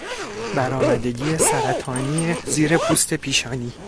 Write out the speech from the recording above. برآمدگی سرطانی زیر پوست پیشانی